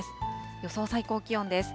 予想最高気温です。